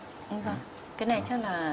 cái này chắc là